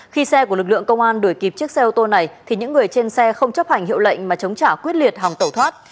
khi xe của lực lượng công an đuổi kịp chiếc xe ô tô này thì những người trên xe không chấp hành hiệu lệnh mà chống trả quyết liệt hòng tẩu thoát